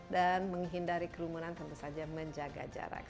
dan menghindari kerumunan tentu saja menjaga jarak